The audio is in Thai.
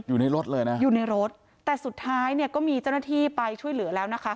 อยู่ในรถเลยนะอยู่ในรถแต่สุดท้ายเนี่ยก็มีเจ้าหน้าที่ไปช่วยเหลือแล้วนะคะ